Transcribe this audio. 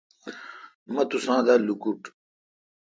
مہ توسان دا لوکٹ۔